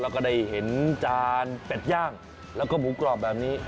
แล้วก็ได้เห็นจานเป็ดย่างแล้วก็หมูกรอบแบบนี้